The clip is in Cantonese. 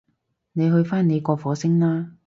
你返去你個火星啦